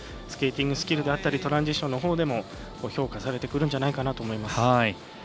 スケーティングスキルだったりトランジションのほうでも評価されてくるんじゃないかなと思います。